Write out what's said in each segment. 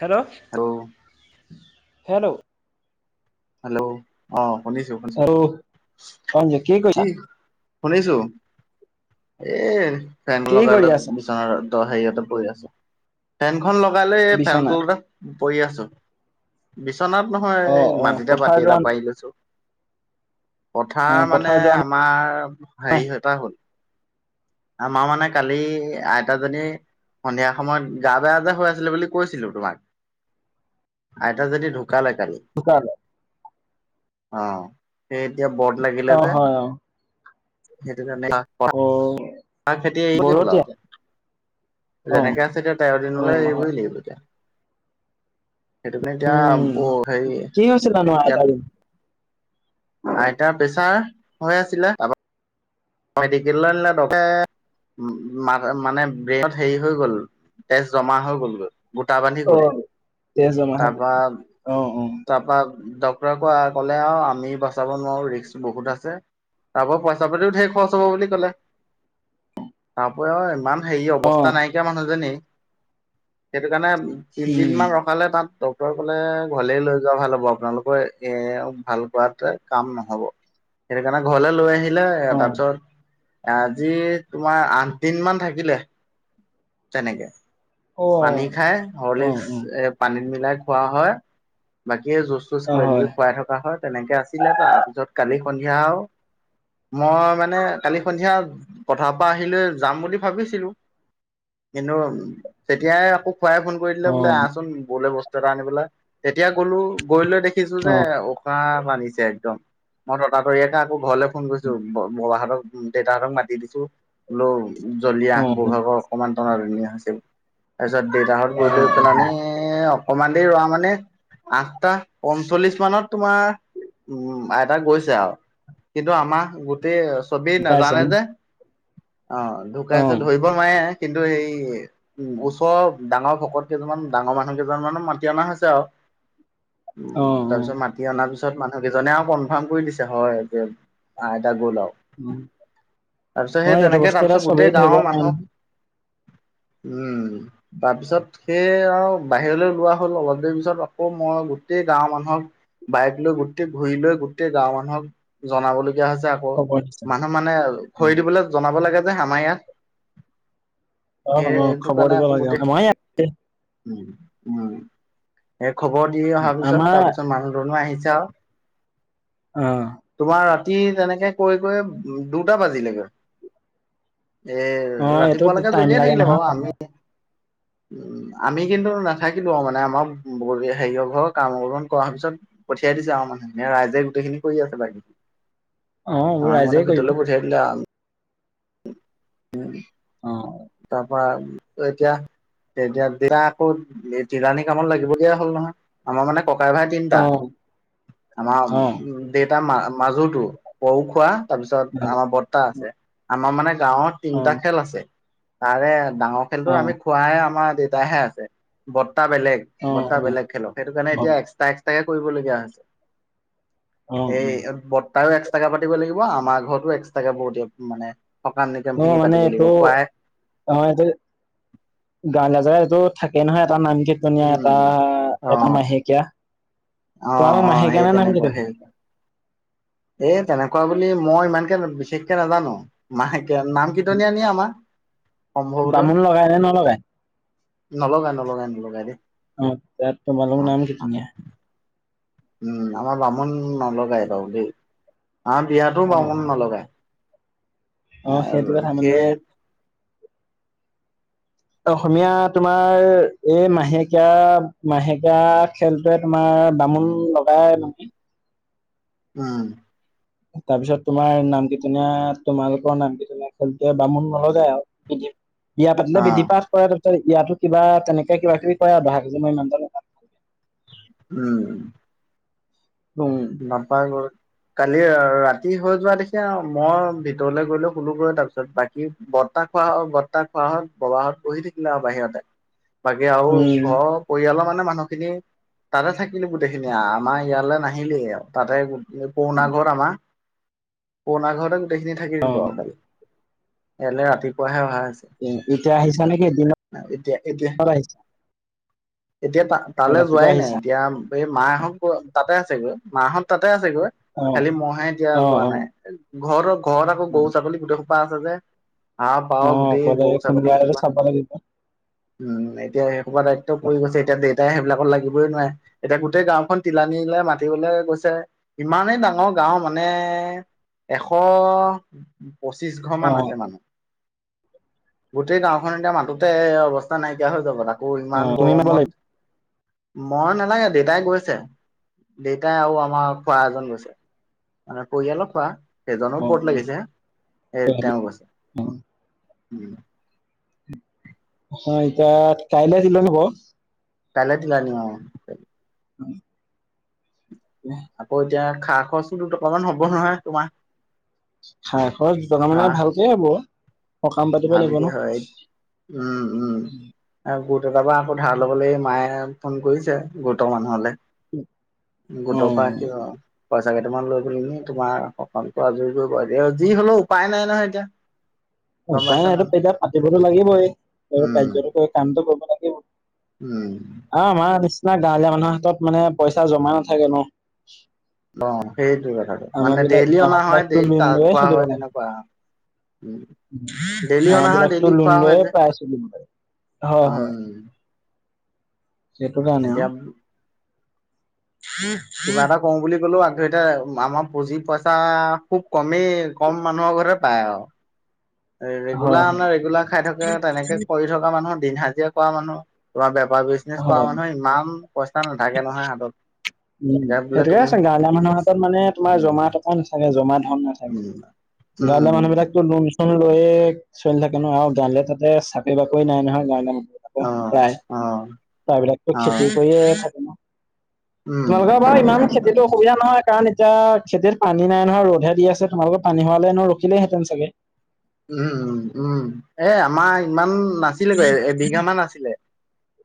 Hello? Hello? Hello? অ' শুনিছোঁ - শুনিছোঁ। আৰু অঞ্জু কৰিছা? কি শুনিছোঁ। এ ফেন কি লগাই কৰি লৈ আছা? বিচনাত তো হেৰিয়াতে পৰি আছোঁ। ফেনখন লগালে ফেন বিচনাত। তল পৰি আছোঁ। বিচনাত নহয়, অ', এ অ', মাটিতে পথাৰ পাটি যোৱা এটা পাৰি লৈছোঁ। পথাৰ অ', মানে যোৱা আমাৰ নাই হেৰি এটা হ'ল। আমাৰ মানে কালি আইতাজনী সন্ধিয়া সময়ত গা বেয়া যে হৈ আছিলে বুলি কৈছিলোঁ তোমাক। আইতা যদি ঢু কালে কালি। ঢুকালে? অ' সেই এতিয়া বৰ্দ লাগিলে অ', যে, হয় অ'। সেইটো কাৰণে [unintelligible] অ', আমাৰ খেতি [unintelligible] হ'ল বৰতীয়া? আৰু। অ', যেনেকে আছে এতিয়া তেৰ দিনলৈ অ', হয়। এৰিবই লাগিব এতিয়া। [inaudible] সেইটো কাৰণে এতিয়া উম, অ' হেৰি কি হৈছিলানো ইয়াত আইতাজনী? আইতাৰ প্ৰেছাৰ হৈ আছিলে তাৰপা মেডিকেললে আনিলে ডকে [unintelligible] উম মা- মানে ব্ৰেইনত হেৰি হৈ গ'ল। তেজ জমা হৈ গ'ল গৈ। গোটা বান্ধি গ'ল। অ', তেজ জমা হৈ তাৰপা- অ', অ', তাৰপা ডক্তৰে কোৱা- ক'লে আও, আমি বচাব নোৱাৰোঁ, ৰিস্ক বহুত আছে। তাৰপা পইচা পাতিও ধে খৰচ হব বুলি কলে। তাপা আৰু ইমান হেৰি অ', অৱস্থা নাইকীয়া মানুহজনী সেইটো কাৰণে তিনদিন উম। মান ৰখালে তাত ক্টৰে ক'লে, ঘৰলে লৈ যোৱা ভাল হ'ব আপোনালোকৰ। এ ভাল কৰাতোৱে কাম নহব। সেইটো কাৰণে ঘৰলে লৈ আহিলে। অ', তাৰপি আজি তোমাৰ আঠদিন মান থাকিলে। তেনেকে। অ', পানী অ'। খাই অ', হৰলিস্ক হয়। এ পানী মিলাই খোৱা হয় বাক- যুঁজ চুঁজ অ', কিবা কিবি হয় খুৱাই থকা হয় তেনেকে আছিলে তাৰপিছত কালি সন্ধিয়া আও মই মানে কালি সন্ধিয়া পথাৰ পা আহি লৈ যাম বুলি ভাবিছিলোঁ। কিন্তু তেতিয়াই আকৌ খুৰাই ফোন কৰি দিলে, বোলে অ', আহচোন। বৌলে বস্তু এটা আনিবলে। এতিয়া গ'লো গৈ লৈ দেখিছো যে উকা মাৰিছে একদম। মই ততাতৰিয়াকে আকৌ ঘৰলৈ ফোন কৰিছোঁ ব- বৌৱাহঁতক, দেউতাহঁতক মাতি দিছোঁ। ল জল্দি আহ। অ', বৌৱেকৰ অকমান টনা তনিয়া হৈছে। তাৰপিছত দেউতাহঁত অ', গৈ লৈ পেলানি অ', অকমান দেৰি ৰোৱা মানে আহ টা পঞ্চল্লিশ মানত তোমাৰ উম আইতা গৈছে আও। কিন্তু আমাৰ গোটে চবেই ঢুকাইছে ন? নাজানে যে। অ' ঢুকাইছে। অ', ধৰিব নোৱাৰে কিন্তু এই ওচৰৰ ডাঙৰ ভকত কেইজনমান, ডাঙৰ মানুহ কেইজনমানো মাতি অনা হৈছে আৰু। উম, অ', তাৰ অ', পিছত মাতি অনা পিছ চত মানুহ কেইজনে আৰু কনফাৰ্ম কৰি দিছে, হয় যে আইতা গ'ল আৰু। অ', তাৰপিছত সেই হয় এইটো তেনেকে বস্তু এতিয়া তাৰপিছত চবেই গোটেই ধৰিব গাঁৱৰ নোৱাৰে মানুহ নহয়, উম, তাৰপিছত সেই আৰু বাহিৰলৈ ওলোৱা হ'ল অলপ দেৰি পিছত। আকৌ মই গোট গোটেই গাঁওৰ মানুহক বাইক লৈ গোটেই ঘূৰি লৈ গোটেই গাঁওৰ মানুহক জনাবলৈ দিয়া হৈছে আকৌ। খবৰ নিচিনা। মানুহ মানে অ খৰি দিবলৈ জনাব লাগে বোলে আমা ইয়াত। সেই অ এটো খবৰ কাৰণে দিব আকৌ লাগে গোটে আমাৰ ইয়াত এই খবৰ দি অহাৰ পিছত, আমাৰ তাৰপিছত মানুহজনো আহি [unintelligible] অহ। ৰাতি তেনেকে কৈ কৈ দুটা বাজিলেগৈ। এ ৰাতিপুৱালৈকে জ্বলিয়ে খাৰিয়া নহয় সম উ আমি কিন্তু নাথাকিলো আও মানে আমাৰ বঢ়িয়া হেৰিয়ৰ ঘৰ কাম গ্ৰহণ কৰাৰ পিছত পঠিয়াই দিছে আও মানুহখিনে ৰাইজে গোটেইখিনি কৰি আছে বাকী অ আং ৰাইজে মানে কৰিব ভিতৰলে পঠিয়াই আং অ। ভৰাম এতিয়া তেতিয়া দিয়া আকৌ তিৰাণী কামত লাগিব লগীয়া হ'ল নহয়, আমাৰ মানে ককাই ভাই তিনিটা অ আমাৰ অ অ উ দে- টা মা মাজুৰ পৰখোৱা তাৰপিছত আমাৰ বৰ্তা আছে। আমাৰ মানে গাঁৱত অ তিনটা খেল আছে তাৰে ডাঙৰ খেলটো আমি খোৱাইে আমাৰ তা হে আছে বৰ্তা বেলেগ বৰ্তা বেলেগ খেলক সেইটো কাৰণে অ অ অ এতিয়া এক্সটা এক্সটা তাকে কৰিবলগীয়া হৈছে এই বত- তাইও এট্ৰাকে পাতিব লাগিব আমাৰ ঘৰতো এক্সট্ৰাকে ব দিয়ব মানে সকাম নিকাম অ খিনি পাতিব লাগিব মানেটো খুৱাই [unintelligible] এটো থাকে নহয় এটা নামঘিত কনীয়া এটা উম অ এটা মাহেকীয়া অ তোমালোক অ মাহেকীয়া সেই নে নাম তেনেকুৱা কীৰ্তনীয়া সেই এ তেনেক- কোৱা বুলি মই ইমানকে বিশেষকে নাজানো মাহে নাম কীৰ্তনিয়া আমাৰ। বামুণ লগাই নে নলগায়? নলগা নলগাই নলগাই দে। অ তাত তোমালু নাম কেতিনিয়া? উম আমাৰ বামুণ নলগাই বাৰু দেই। আমাৰ বিয়াতো অ বামুণ অ নলগায়। অ সেইটো কথা মানে অসমীয়া তোমাৰ এই মাহেকীয়া - মাহেকীয়া খেলটোৱে তোমাৰ অ' বামুণ লগাই মানে উম। তাৰ পিছত তোমাৰ নাম কিতিনীয়াত তোমালোকৰ নাম কিতিনীয়া খেলটোৱে বামুণ নলগাই আও। ইয়াত আপোনাৰ অ বিদি পাঠ হয়। ইয়াতো কিবা তেনেকে কিবা কিবি কয় ভাগ যে মই ইমান জন পা উম। উম নাপা গৰ কালি ৰাতি হৈ যোৱা দেখি মই ভিতৰলে গৈলেো শুলো গৈ তাৰপিছত বাকী তাক কোৱা হ'ল বৰ্তাক কোৱা হ'ল ববাহঁত বহি থাকিলে আৰু বাহিৰতে বাকী আও উম ঘৰৰ পৰিয়ালৰ মানে মানুহখিনি তাতে থাকিলো গোটেই খিনি আমাৰ ইয়ালে নাহ- নাহিলে আও তাতে পৰুনা ঘৰত আমাৰ পৰুণা ঘৰতে গোটেইখিনি থাকি দিলো আৰু কালি এলে ৰাতিপুৱাহে অহা এতিয়া আহিছা নেকি দিনত এতিয়া এতিয়া আহিছা এতিয়া তা তালে যোৱাই ৰাতিপুৱা নাই আহিছা এতিয়া এই মাহঁত তাতে আছে গৈ, মাহঁত তাতে আছ- চাগৈ অ খালি মহে এতিয়া অ যোৱা অ নাই এ ঘৰৰ ঘৰত আকৌ গৰু, ছাগলী গোটেই পা আছে যে হাঁহ পাও অ গোটেই অকলে গৰু, ছাগলী কোনোবা এটাতো খুৱা চাব লাগিব উম এত- এতিয়া সবা দায়িত্ব পৰি গৈছে এতিয়া দে এতিয়া সেইবিলাকত লাগিবই নোৱাৰে, এতিয়া গোটেই গাঁওখন তিলানিলে মাতিবলে গৈছে ইমানেই ডাঙৰ। গাও মানে এশ পঁচিশ ঘৰ অ মান আছে মানুহ। গোটেই গাঁওখন এতিয়া মাতোতে অৱস্থা নাইকিয়া হৈ যাব তাকো। অ ইমান তুমি নাব লাগিব গৰমত। মই নালাগে, দেউতাই গৈছে, দেউতাই আৰু আমাৰ খুৱা এজন গৈছে। মানে পৰিয়াল খোৱা? সেইজনো অ বত লাগিছে অ এ তেওঁ কৈছে, উম। হয় এতিয়া কাইলে তিলনি হ'ব। কাইলে তিলানি অ' [inaudible] আকৌ এতিয়া খা- খৰচোতো অকমান হ'ব নহয়, তোমাৰ। খা-খৰচ গিটা মানে ধৰা ভালকে হ'ব। সকাম পাতিব লাগিব ভালকে ন। হয়। উম - উম আৰু ব গোটৰপা আকৌ ধাৰ ল'বলৈ মায়ে ফোন কৰিছে, গোটৰ মানুহলে। গোটৰ পৰা অ', কিয় পইচা কেইটামান লৈ পেলানি তোমাৰ সকামটো আজৰি কৰিব। এ যি হলেও উপায় নাই নহয় এতিয়া। গম উপায় পাইছা নাই নে এইটো এইবিলাক পাতিবতো লাগিবয়ে। ঘৰৰ উম কাৰ্যতো কৰি কামটো কৰিব কাৰণে উম। নিচিনা গাঁৱলীয়া মানুহ হাতত মানে পইচা জমা নাথাকে ন'। অ' সেইটো কথাটো। আমাৰ মানে বিলাক ডেইলি অনা আমাৰ হয়, বিলাকতো ডেইলি লোন কা- লৈয়ে খোৱা চলিব হয় লাগে তেনেকুৱা। উম, ডেইলি আমাৰ অনা হয়, বিলাকতো ডেইলি লোন খোৱা হয় লৈয়ে যে। প্ৰায় চলিব লাগে। হয় উম। সেইটোৰ কাৰণে আও। এতিয়া কিবা এটা কওঁ বুলি ক'লেও আ তো এতিয়া আমাৰ পুঁজি পইচা খুব কমেই। কম মানুহৰ ঘৰতে পায় আৰু। হয় ৰেগুলাৰ হয় মানে ৰেগুলাৰ খাই থাকে, তেনেকে কৰি থকা মানুহ, দিন হাজিৰা কৰা মানুহ, তোমাৰ বে বা বিজনেছ কৰা হয়। মানুহে ইমান পইচা নাথাকে নহয় হাতত। উম, এতিয়া বোলে সেইটোৱে তুমি চাগে গাঁৱলীয়া মানুহৰ পৰা মানে তোমাৰ উম জমা টকা নাথাকে জমা ধন উম নাথাকে। গাঁৱলীয়া উম মানুহবিলাকতো লনচন লৈয়ে চলি থাকে ন' আৰু গাঁৱলীয়া তাতে চাকৰি-বাকৰি নাই নহয়, গাঁৱলীয়া মা অ' - অ'। ত বিলাকতো অ খেতি কৰিয়ে থাকে ন'। উম তোমালোকৰ বাৰু ইমান খেতিতো অসুবিধা নহয়। কাৰণ এতিয়া খেতিত পানী নাই নহয়, ৰ'দহে দি আছে। তোমালোকৰ পানী হোৱালে এনেও ৰখিলেহেঁতেন চাগে। উম-উম-উম এ আমাৰ ইমান নাছিল গৈ। এবিঘা মান আছিলে।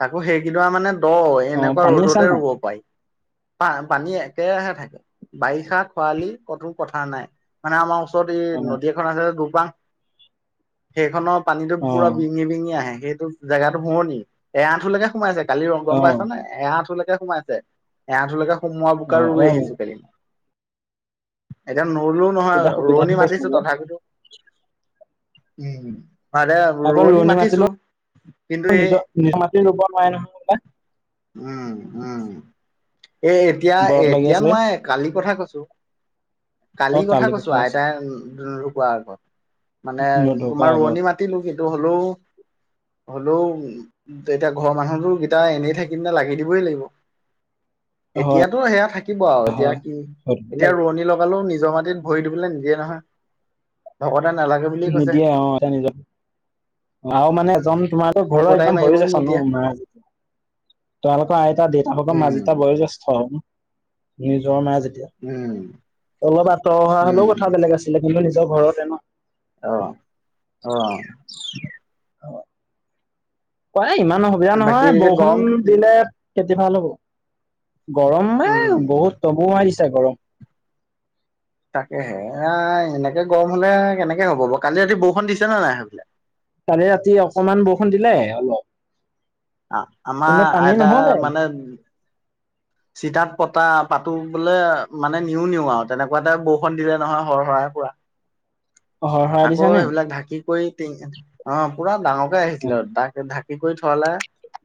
আকৌ সেইকেদৰা মানে দ', অ এনেকুৱা পানী আছে ৰ'দতে নাই ৰুব পাৰি। পা- পানী একেৰাহে থাকে। বাৰিষা - খৰালি ক'তো কথা নাই। মানে আমাৰ ওচ চত এই অ নদী এখন আছে দুপাং। সেইখনৰ পানীতো অ পুৰা বিঙি বিঙি আহে। সেইটো জেগাতো শুৱনি। এআঠুলেকে সোমাইছে কালি, অ গম পাইছ নে? এআঠুলৈ তে সোমাইছে। এআঠুলৈকে সোমোৱা অ বোকাত ৰুই অ আহিছোঁ কালি। এতিয়া নুৰুলো তেতিয়া নহয়, সুবিধাটো ৰোৱনী হৈছে মাতিছোঁ বাৰু তথাপিতো। উম। আৰে আকৌ ৰোৱনী মাতিছোঁ। মাতিলেও কিন্তু এ নিজৰ নিজৰ মাটি ৰুব নোৱাৰে নহয় হবলা উম - উম। এ এতিয়া- এ বৰত লাগি এতিয়া আছিলে নোৱাৰে, কালিৰ কথা কৈছোঁ। অ কালিৰ কথা কালি কৈছোঁ কৈছে আইতাই ন ঢুকুৱাৰ আগত। মানে নধুৰ পৰা তোমাৰ আগত ৰোৱনি মাতিলো কিন্তু হ'লেও হলেও এতিয়া ঘৰৰ মানুহতো গেইটা এনেই থাকিম নে, লাগি দিবই লাগিব। হয় এতিয়াতো সেয়া থাকিব আৰু, এতিয়া কি। এতিয়া ৰোৱনী লগালেও নি জৰ মাটিত ভৰি দিবলৈ নিদিয়ে নহয়। ভক তে নালাগে বুলি কৈছে। নিদিয়ে অ এতিয়া নিজৰ আৰু মানে এজন তোমাৰো কোৰ ঘৰৰ কটাৰী একদম মাৰিবও বয়োজছ নিদিয়ে ন' [inaudible] তোমালোকৰ আইতা দেউতা হক বা মা উম যেতিয়া এটা বয়োজ্যেষ্ঠ, নিজৰ মা যে তিয়া। উম অলপ আঁতৰ হোৱা হলেও উম কথা বেলেগ আছিলে, কিন্তু নিজৰ ঘৰতে ন'। অ' অ'। অ' এ ইমান অসুবিধা বাকী নহয়, এতিয়া বৰষুণ গৰম দিলে খেতি ভাল হ'ব। গৰম উম এ বহুত তবৌ মাৰিছ তে গৰম। তাকেহে এয়াই এনেকে গৰম হ'লে কেনেকে হ'ব বাৰু। কালি ৰাতি বৰষুণ দিছে নে নাই সেইপিনে? কালি ৰাতি অকমান বৰষুণ দিলে অলপ। অ আমাৰ কিন্তু পানী আইতা নহ'লে মানে চিতাত পতা পাতো বোলে মানে নিওঁ নিওঁ আৰু তেনেকুৱাতে বৰষুণ দিলে নহয় হৰ হৰাই। [unintelligible] হৰহৰাই আকৌ দিছে নে? সেইবিলাক ঢাকি কৰি টিং অ পুৰা ডাঙৰ টোৱেই আহিছিল আৰু। তাক ঢাকি কৰি থোৱালে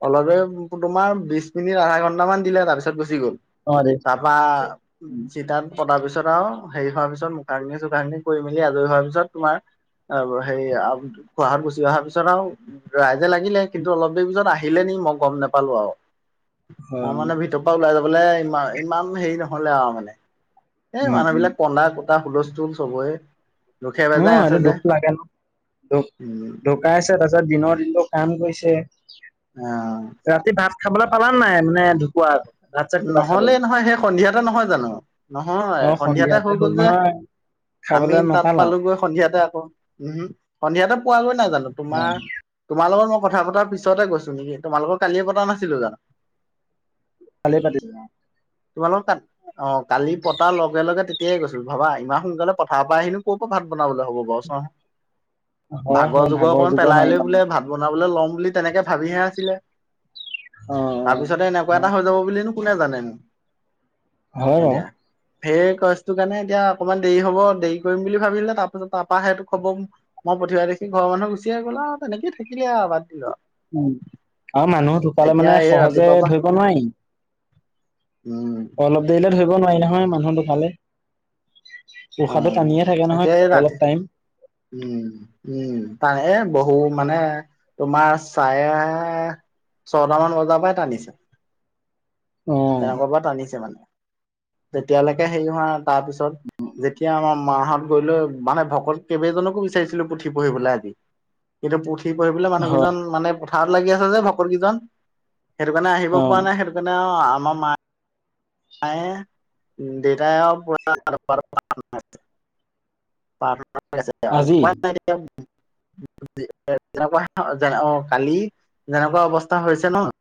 অলপে উ তোমাৰ বিছ মিনিট, আধা ঘণ্টামান দিলে তাৰপিছত চি গল, অ' দে তাৰপা চিতাত পতা পিছত আও হেৰি হোৱাৰ পিছত মুকানিয়ে- চুকানিয়ে কৰি মেলি আজৰি হোৱাৰ পিছত তোমাৰ [unintelligible] খুৰাহঁত গুচি অহাৰ পিছত আৰু ৰাইজে লাগিলে কিন্তু অলপ দেৰি পিছত আহিলে নেক মই গম নেপালো আউ। মই হয় মানে ভিতৰ পৰা ওলাই যাবলৈ ইমান ইমান হেৰি নহ'লে আৰু মানে। এ উম, উম, মানুহবিলাক কন্দা- কটা হুলস্থুল চবৰে। দুখে উ বেজাই আছে এইটো যে দুখ লাগে ন। ধুক উম ঢুকাইছে তা পিছত দিনৰ- দিনটো কাম কৰিছে। অঁ। ৰাতি ভাত খাবলৈ পালা নাই নে ঢুকুৱাত। নহ'লেই নহয়। সেই সন্ধিয়াতে নহয় জানো? নহয় অ সন্ধিয়াতে হৈ হ'ল গ'ল যে। নহয় আমি খাবলৈ তাত নাপালা পালোগৈ সন্ধিয়াতে আকৌ। উ সন্ধিয়াতে পোৱাগৈ নাই জানো? তোমাৰ তোমাৰ লগত মই কথা পতাৰ পিছতে গৈছো নেকি। তোমাৰ লগত কালিয়ে পতা নাছিলো জানো? [unintelligible] তোমাৰ লগত তাত অ কালি পতা লগে লগে তেতিয়াই গৈছো। ভাবা ইমান সোনকালে পথাৰ পৰা আহিলো। ক'ৰ [unintelligible] বনাবলে হ'ব বাৰু চাও। [inaudible] হয় ভাগৰ হয় জগৰ অকমান যুগৰ পেলাই মাৰি লৈ মানে বোলে ভাত বনাবলৈ ল'ম বুলি তেনেকে ভাবিহে আছিলে। তাৰ হয় পিছতে এনেকুৱা হয় এটা হৈ যাব বুলিনো কোনে জানেনো। হয় আও ফেৰ গছটোৰ কাৰণে এতিয়া অকমান দেৰি হ'ব দেৰি কৰিম বুলি ভাবিলে। তাৰপিছত তাৰপা সেইটো খবৰ ম পঠিওৱা দেখি ঘৰ মানুহ গুচি গ'ল আ তেনেকে থাকিলে বাদ দিলো আও। উ আৰু মানুহ ঢুকালে এতিয়া মানে এই চহজে ৰাতিপুৱা পৰা ধৰিব নোৱাৰি। উম অলপ দেৰিলে ধৰিব নোৱাৰি নহয় মানুহ ধুকালে। অ উশাহটো টানিয়ে থাকে এতিয়া এই নহয় ৰাতি অলপ টাইম। উম, উম তাৰহে বহু মানে তোমাৰ ছাৰে ছটামান বজাৰ পৰাই টানিছে। অ তেনেকুৱা পৰা টানিছে মানে। তেতিয়ালৈকে হেই হোৱা তাৰপিছত যেতিয়া আমাৰ মাহঁত গৈ লৈ মানে ভকত কেইবেজনকো বিচাৰিছিলো পুথি পঢ়িবলৈ আজি। কিন্তু পুথি পঢ়িবলে মানুহ হয় কেইজন মানে ভাৰ লাগি আছে যে ভকত কেইজন। সেইটো কাৰণে আহিব অ পৰা নাই, সেইটো কাৰণে আমাৰ মা আই দেতাই আও [unintelligible] [unintelligible] আজি উপায় নাই এতিয়া। [unintelligible] অ কালি যেনেকুৱা অৱস্থা হৈছে ন। এ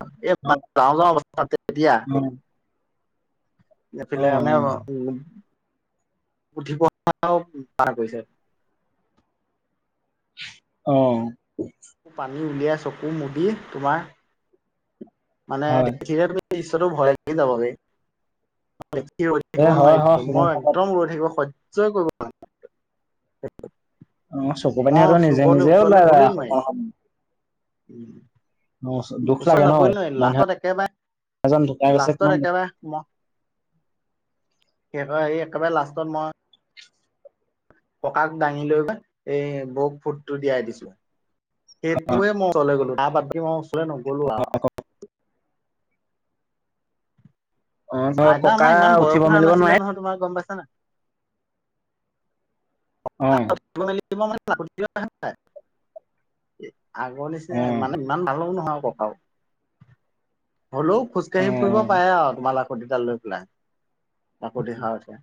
অ [unintelligible] যাওঁ যাওঁ অৱস্থা তেতিয়া। অ অ এইফালে আনে আকৌ, উম। উঠিও পৰাও পাৰ কৰিছে। অ' পানী উলিয়াই চকু মুদি তোমাৰ মানে হয় দেখিলে তুমি দৃশ্যটো ভয় লাগি যাবগে। স্থিৰ ৰৈ এ থাকিব হয় হয় অ নোৱাৰিলো মই একদম ৰৈ থাকিব স সহ্য কৰিব পৰা নাই। চকু পানীহঁতৰ [unintelligible] নিজে চুবলৈ নিজে ওচৰলে ওলাই যায় গলেই অকণ নোৱাৰি সময় অ' দুখ উম। লাগে ওচৰত ন যাবই নোৱাৰি, মানুহ লাষ্টত এজন ঢুকাই একেবাৰে গৈছে কিমান লাষ্টত দুখ একেবাৰে মই [unintelligible] সেই [unintelligible] একেবাৰে লাষ্টত মই ককাক দাঙি লৈ গৈ এই বৌক ফুটটো দিয়াই দিছো। সেইবোৰে মই ওচৰলৈ গ'লো তাৰ বাদ দি মই ওচৰ ক'লে নগলো আৰু অ' ধৰ আইতা ককা আমাৰ ইমান বয়স উঠিব হোৱা মেলিব নোৱাৰে নাছিলে নহয় তোমাৰ গম পাইছা নাই? অ' [inaudible] আগৰ নিচিনা মানে ইমান ভালো অ' নহয় আৰু ককাও‌। হ'লেও খোজ কাঢ়ি ফুৰিব অ' অ'। পাৰে আৰু তোমাৰ লাখুটিডাল লৈ পেলাই, লাখুতি সাৰথি